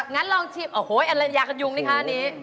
งั้นลองชิมอ๋อโหยยากัดยุงนี่ค่ะอันนี้